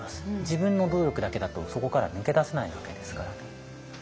自分の努力だけだとそこから抜け出せないわけですから。